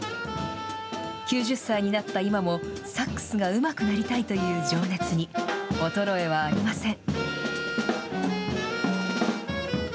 ９０歳になった今も、サックスがうまくなりたいという情熱に、衰えはありません。